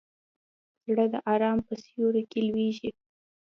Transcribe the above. زړه د ارام په سیوري کې لویېږي.